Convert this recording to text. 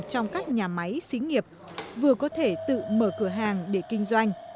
trong các nhà máy xí nghiệp vừa có thể tự mở cửa hàng để kinh doanh